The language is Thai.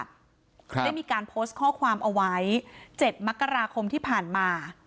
ได้มีการโพสต์ข้อความเอาไว้เจ็ดมกราคมที่ผ่านมา